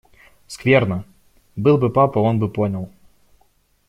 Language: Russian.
Скверно! Был бы папа, он бы понял.